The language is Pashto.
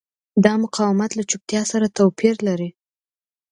دا مقاومت له چوپتیا سره توپیر لري.